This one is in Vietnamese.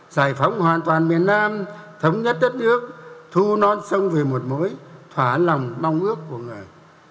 giải phóng hoàn toàn miền nam thống nhất đất nước thu non sông về một mối thỏa lòng mong ước của người